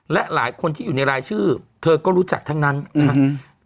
และหลายคนที่อยู่ในรายชื่อเธอก็รู้จักทั้งนั้นนะครับ